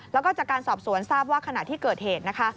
แล้วก็จากการสอบสวนทราบว่าขณะที่เกิดเหตุนะคะ